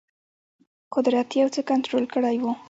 قدرت یو څه کنټرول کړی وو.